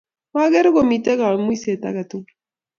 Mokere komitei kamuiset age tugul